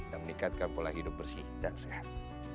dan meningkatkan pola hidup bersih dan sehat